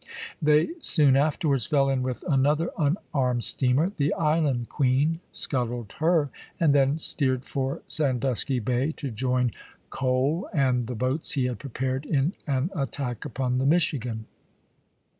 They soon afterwards fell in with another unarmed steamer, the Island Queen, scuttled her, and then steered for Sandusky Bay to join Cole and the boats he had prepared in an attack upon the Michigan.